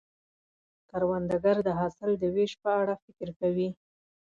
کروندګر د حاصل د ویش په اړه فکر کوي